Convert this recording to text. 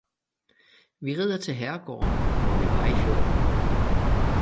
vi rider til herregården, hvor vi var i fjor!